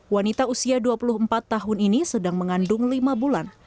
wanita usia dua puluh empat tahun ini sedang mengandung lima bulan